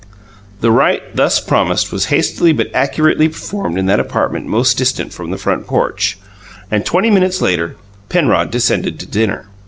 The rite thus promised was hastily but accurately performed in that apartment most distant from the front porch; and, twenty minutes later, Penrod descended to dinner.